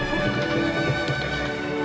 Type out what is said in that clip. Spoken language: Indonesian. tidak ada yang bisa dipercaya